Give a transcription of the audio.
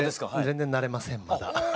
全然慣れませんまだ。